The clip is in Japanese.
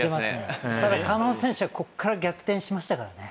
ただ加納選手はこっから逆転しましたからね